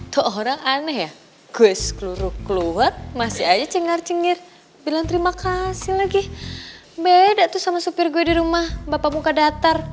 tuh orang aneh ya gue seluruh keluar masih aja cengar cengir bilang terima kasih lagi beda tuh sama supir gue di rumah bapak buka datang